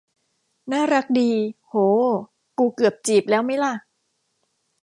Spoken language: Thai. น่ารักดี โห กูเกือบจีบแล้วมั๊ยล่ะ